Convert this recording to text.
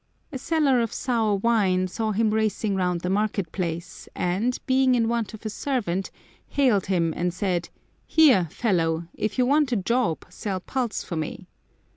" A seller of sour wine ^ saw him racing round the market place, and, being in want of a servant, hailed him, and said, " Here, fellow ; if you want a job, sell pulse for me."